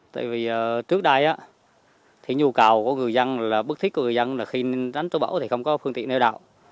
tại vì trước đây nhu cầu của người dân là bức thích của người dân là khi đánh trú bão thì không có phương tiện neo đạo